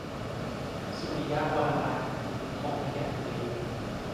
สุริยวรมัน - ทมยันตี